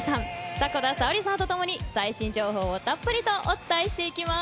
迫田さおりさんと共に最新情報をたっぷりとお伝えしていきます。